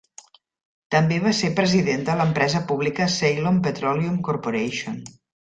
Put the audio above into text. També va ser president de l'empresa pública Ceylon Petroleum Corporation.